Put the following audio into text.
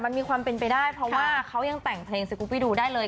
มันมีความเป็นไปได้เพราะว่าเขายังแต่งเพลงสกุปปี้ดูได้เลย